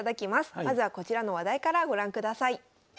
まずはこちらの話題からご覧ください。